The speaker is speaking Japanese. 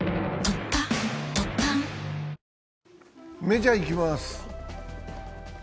メジャーいきます。